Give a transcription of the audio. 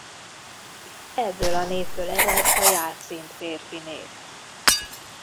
Ebből a névből ered a Jácint férfinév.